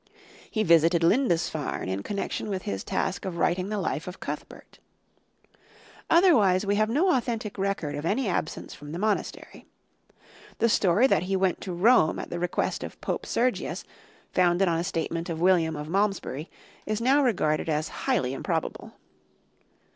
He visited Lindisfarne in connection with his task of writing the life of Cuthbert. Otherwise we have no authentic record of any absence from the monastery. The story that he went to Rome at the request of Pope Sergius, founded on a statement of William of Malmesbury, is now regarded as highly improbable.